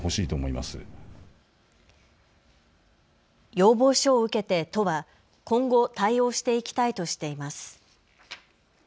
要望書を受けて都は今後、対応していきたいとしています。